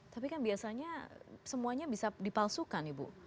tapi kan biasanya semuanya bisa dipalsukan ibu